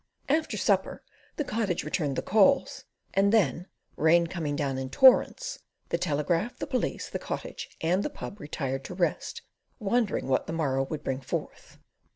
After supper the Cottage returned the calls, and then, rain coming down in torrents, the Telegraph, the Police, the Cottage and the "Pub" retired to rest, wondering what the morrow would bring forth.